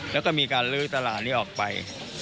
แล้วก็มีการลื้อตลาดนี้ออกไป